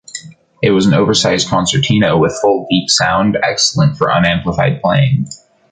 It was an oversized concertina, with a full deep sound, excellent for un-amplified playing.